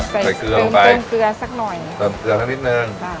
ใส่เกลือลงไปเติมเกลือสักนิดนึง